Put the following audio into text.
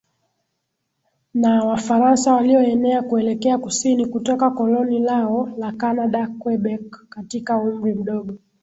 na Wafaransa walioenea kuelekea kusini kutoka koloni lao la Kanada QuebecKatika umri mdogo